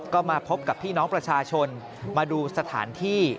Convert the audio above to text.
ก็มาพบกับพี่น้องประชาชนมาดูสถานที่